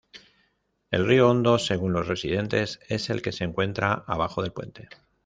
El Río Hondo según los residentes es el que se encuentra abajo del puente.